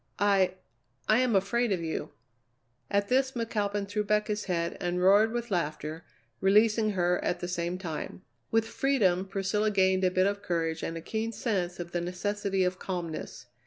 "I I am afraid of you!" At this McAlpin threw back his head and roared with laughter, releasing her at the same time. With freedom Priscilla gained a bit of courage and a keen sense of the necessity of calmness.